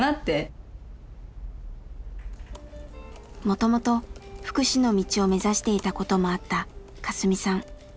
もともと福祉の道を目指していたこともあったカスミさん。